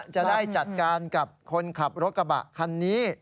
จะได้จัดการกับคนขับรถกระบะคันนี้